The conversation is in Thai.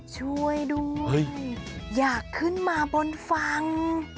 ช่วยด้วยอยากขึ้นมาบนฝั่ง